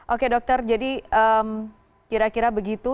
oke dokter jadi kira kira begitu